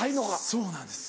そうなんです。